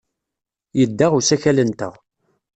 Yedda usakal-nteɣ.